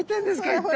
一体。